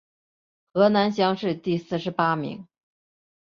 河南乡试第四十八名。